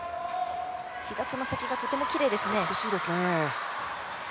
膝、爪先がとてもきれいですね。